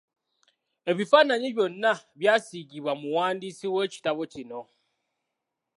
Ebifaananyi byonna byasiigibwa muwandiisi w’ekitabo kino.